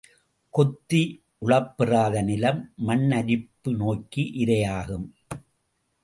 கொத்தி உழப்பெறாத நிலம் மண் அரிப்பு நோய்க்கு இரையாகும்.